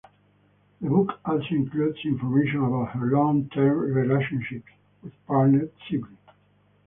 The book also includes information about her long term relationship with partner Sibley.